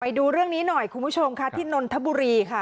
ดูเรื่องนี้หน่อยคุณผู้ชมค่ะที่นนทบุรีค่ะ